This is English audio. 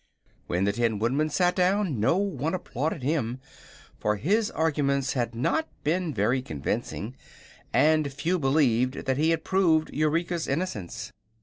When the Tin Woodman sat down no one applauded him, for his arguments had not been very convincing and few believed that he had proved Eureka's innocence.